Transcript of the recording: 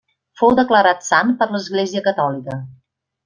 Fou declarat sant per l'església catòlica.